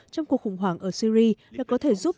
trong cuộc khủng hoảng ở syri là có thể giúp